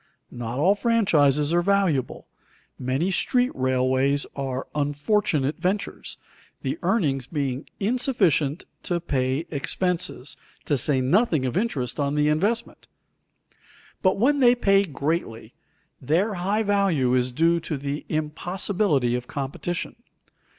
Not all franchises are valuable; many street railways are unfortunate ventures, the earnings being insufficient to pay expenses, to say nothing of interest on the investment. But when they pay greatly, their high value is due to the impossibility of competition.